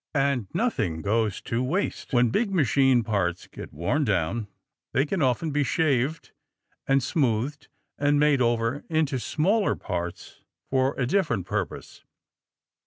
And nothing goes to waste. When big machine parts get worn down, they can often be shaved and smoothed and made over into smaller parts for a different purpose.